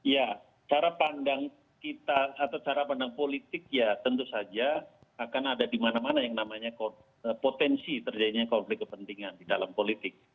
ya cara pandang kita atau cara pandang politik ya tentu saja akan ada di mana mana yang namanya potensi terjadinya konflik kepentingan di dalam politik